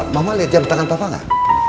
mama liat jam tangan papa gak